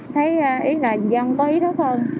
thấy ý là dân có ý thức hơn